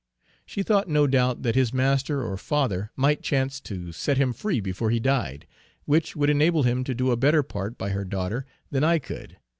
She thought no doubt that his master or father might chance to set him free before he died, which would enable him to do a better part by her daughter than I could!